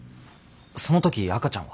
その時赤ちゃんは？